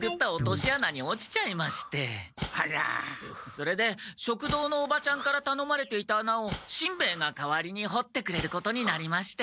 それで食堂のおばちゃんからたのまれていた穴をしんべヱが代わりに掘ってくれることになりまして。